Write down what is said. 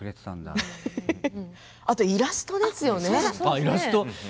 あとイラストですね。